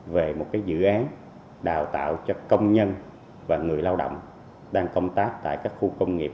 về một dự án đào tạo cho công nhân và người lao động đang công tác tại các khu công nghiệp